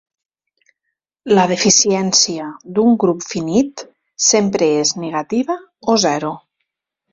La deficiència d'un grup finit sempre és negativa o zero.